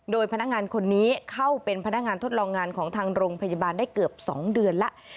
โดยพนักงานคนนี้เข้าเป็นพนักงานทดลองงานของทางโรงพยาบาลได้เกือบ๒เดือนแล้ว